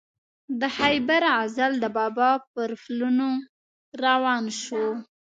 د خیبر غزل د بابا پر پلونو روان شو.